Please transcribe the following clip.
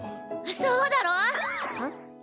そうだろ！ん？